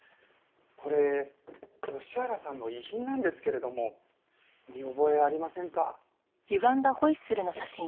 これ吉原さんの遺品なんですけれども見覚えありませんか？